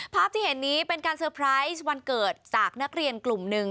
ภาพที่เห็นนี้เป็นการเตอร์ไพรส์วันเกิดจากนักเรียนกลุ่มหนึ่ง